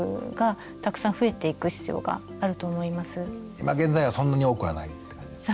今現在はそんなに多くはないって感じですか。